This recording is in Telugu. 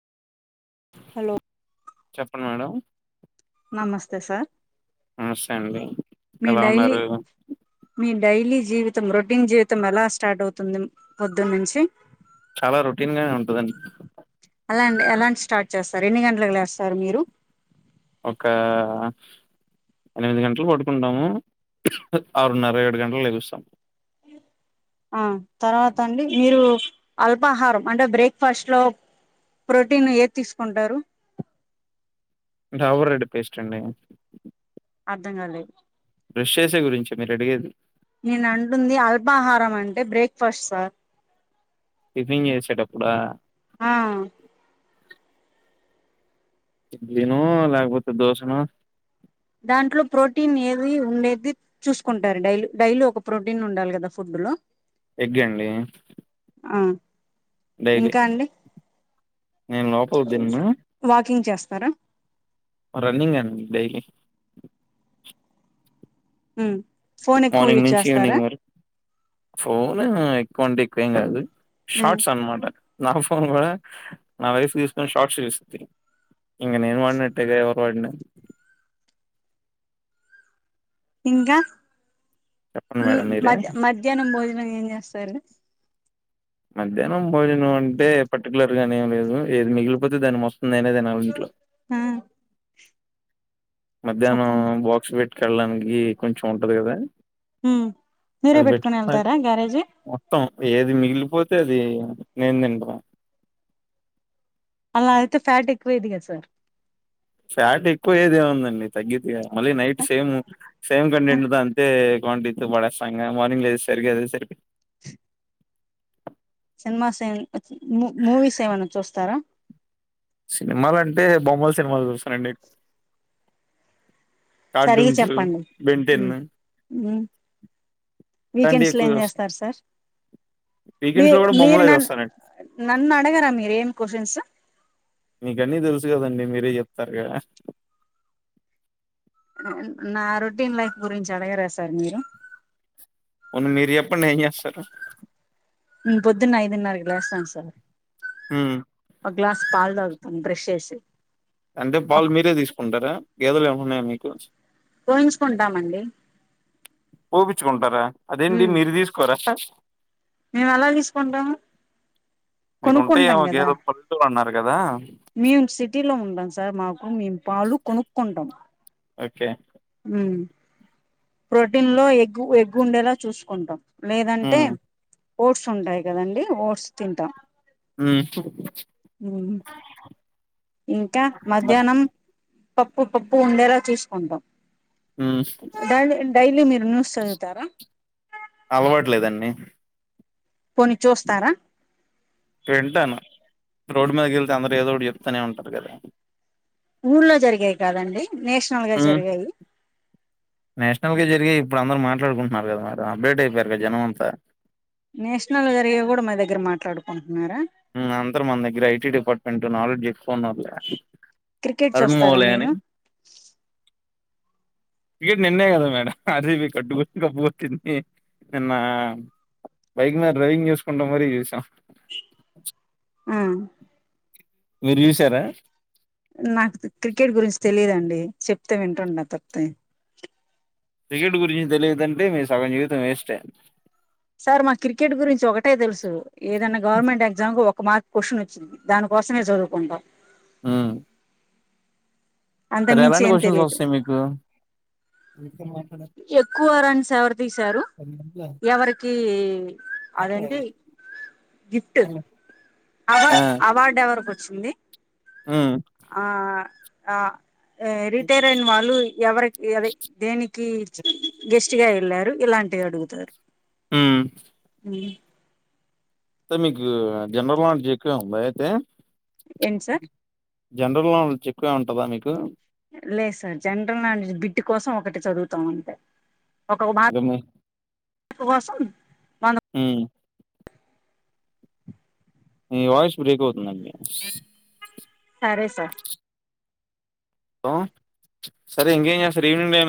హలో చెప్పండి మేడం నమస్తే సార్ నమస్తే అండి మీ ఎలా డైలీ ఉన్నారు మీ డైలీ జీవితం రొటీన్ జీవితం ఎలా స్టార్ట్ అవుతుంది పొడున్ నుంచి చాలా రొటీన్ గానే ఉంటదండి అలా ఎలాంటి స్టార్ట్ చేస్తారు ఎన్ని గంటలకు లేస్తారు మీరు ఒక ఎనిమిది గంటలు పడుకుంటాము ఆరున్నర ఏడు గంటలకి లెగుస్తాము ఆ తర్వాత అండి మీరు అల్పాహారం అంటే బ్రేక్ఫాస్ట్ లో ప్రోటీన్ ఏది తీసుకుంటారు డాబర్ రెడ్ పేస్ట్ అండి అర్ధం కాలే బ్రష్ చేసే గురించి మీరు అడిగేది నేను అంటుంది అల్పాహారం అంటే బ్రేక్ఫాస్ట్ సార్ టిఫంన్ చేసేటప్పుడా ఆ ఇడ్లినో లేకపోతే దోశనో దాంట్లో ప్రోటీన్ ఏది ఉండేది చూసుకుంటారు డైలీ డైలీ ఒక ప్రోటీన్ ఉండాలి కదా ఫుడ్ లో ఎగ్గండి ఆ డైలీ ఇంకా అండి నేను లోపలదిన్న తర రన్నింగ్ అండి డైలీ మ్మ్ మార్నింగ్ నుంచి ఈవినింగ్ వరకు ఫోన్ ఎక్కువ అంటే క్కువ ఏం కాదు ఉమ్ షార్ట్స్ అన్నమాట నా ఫోన్ కూడా నా వైఫ్ తీసుకొని షార్ట్స్ చూస్తది ఇంగ నేను వాడినట్టేగా ఎవరు వాడినా ఇంకా చెప్పండి మీ మేడం మీరే మధ్యాహ్నం భోజనం ఎం చేస్తరు మధ్యాహ్నం భోజనం అంటే పర్టికులర్ గానేం లేదు ఏది మిగిలిపోతే దాని మొత్తం నేనే తినాలి ఇంట్లో ఆ మధ్యాహ్నం చెప్పండి బాక్స్ పెట్ కి వెళ్ళడానికి కొంచెం ఉంటది కదా ఉమ్ మీరే అది పెట్టుకుని పెట్టుకున్న వెళ్తారా గ్యారేజీ మొత్తం ఏది మిగిలిపోతే తది నేన్ తింట అలా అయితే ఫ్యాట్ ఎక్కువ ఇది కదా సార్ ఫ్యాట్ ఎక్కువ అయేది ఏం ఉందండి తగ్గితే మళ్ళీ నైట్ సేమ్ సేమ్ కంటెంట్ ద అంతే క్వాంటిటీతో బడేస్తాం గా మార్నింగ్ సరే కదా సరి ప్చ్ సిన్మాసేన్ మూవీస్ ఏమైనా చూస్తారా సినిమాలు అంటే బొమ్మల సినిమాలు చూస్తానండి. సరిగా కార్టూన్స్ చెప్పండి బెంటెన్ హ్మ్ హ్మ్ ఇలాంటివి వీకెండ్స్ లో ఎక్కువ ఏం చూస్తాను చేస్తారు సార్ మీ వీకెండ్స్ లో కూడా మీరు బొమ్మలే నన్న చూస్తానండి నన్ను అడగరా మీరు ఏం క్వశ్చన్స్. మీకన్నీ తెలుసు కదండి మీరే చెప్తారు గా నా రొటీన్ లైఫ్ గురించి అడగరా సార్ మీరు, అవును మీరు చెప్పండి ఏం చేస్తారు పొద్దున్న ఐదున్నరకి లేస్తాను సార్. ఉమ్ ఒక గ్లాస్ పాలు తాగుతాను బ్రెష్ చేసి అంటే ఒక పాలు మీరే తీసుకుంటారా గేదెలు ఏమున్నాయా మీకు పోయించుకుంటామండి ఊపించుకుంటారా అదేంటి ఉమ్ మీరు తీసుకోరా మేము ఎలా తీసుకుంటాము మీకు కొనుక్కుంటాం ఉంటాయేమో కదా గేదెలు పల్లెటూరు అన్నారు కదా మేము సిటీలో ఉ [unintelligible] మాకు మేము పాలు కొనుక్కుంటాం. ఓకే హ్మ్ ప్రోటీన్ లో ఎగ్ ఎగ్ ఉండేలా చూసుకుంటాం లేదంటే ఉమ్ ఓట్స్ ఉంటాయి కదండి ఓట్స్ తింటాం. హ్మ్ ఉమ్ ఇంకా మధ్యాహ్నం పప్పు పప్పు ఉండేలా చూసుకుంటాం. ఉమ్ డైలీ డైలీ మీరు న్యూస్ చదువుతారా అలవాట్లేదండి పోని చూస్తారా వింటాను రోడ్డు మీద కెలితే అందరు ఏదోఒకటి చెప్తూనే ఉంటారు కదా ఊర్లో జరిగాయి కాదండి నేషనల్ గా ఉమ్ జరిగేయి నేషనల్ గా జరిగేయి ఇప్పుడు అందరూ మాట్లాడుకుంటున్నారు కదా మరి అప్డేట్ అయిపోయారు కదా జనం అంతా నేషనల్ జరిగేయి కూడా మా దగ్గర మాట్లాడుకోం అందరు మన దగ్గర టీ [unintelligible] అపార్ట్మెంట్ నాలెడ్జ్ ఎక్కువున్నారులే క్రికెట్ చూస్తారా మీరు క్రికెట్ నిన్నే కదా మేడం ఆర్ సి బి కట్టు కప్పు కొట్టింది నిన్న బైక్ మీద డ్రైవింగ్ చేసుకుంటా మరీ చూసాం. హ్మ్ మీరు చూసారా. నాకు క్రికెట్ గురించి తెలియదుండి చెప్తే వింటుంటా తప్పితే క్రికెట్ గురించి తెలియదంటే మీ సగం జీవితం వేస్టే సార్ మా క్రికెట్ గురించి ఒకటే తెలుసు ఏదైనా గవర్నమెంట్ ఎగ్జామ్ కు ఒక. ఒక మార్క్ క్వశ్చన్ వచ్చింది దానికోసమే చదువుకుంటాం ఆ అంతకు మించి ఏం క్వశ్చన్స్ తెలియదు వస్తాయి మీకు ఎక్కువ రన్స్ ఎవరు తీశారు ఎవరికి అదేంటి గిఫ్ట్ అవ ఆ అవార్డు ఎవరికి వచ్చింది. ఉమ్ ఆఆ ఆ రిటైర్ అయిన వాళ్ళు ఎవరికి అది దేనికి కి గెస్ట్ గా వెళ్ళారు ఇలాంటివి అడుగుతారు ఉ అ ఐతే మీకు జనరల్ నాలెడ్జ్ ఎక్కువే ఉందా అయితే ఏంటి సార్ జనరల్ నాలెడ్జ్ ఎక్కువే ఉంటదా మీకు లేదు సార్ జనరల్ నాలెడ్జ్ బిట్ కోసం ఒకటి చదువుతాం అంతే. ఒక ఉ మా అదే మీ ఉపవాసం ఉ మీ వాయిస్ బ్రేక్ అవుతుందండి సరే సార్. హలో సరే ఇంకేం చేస్తరు ఈవినింగ్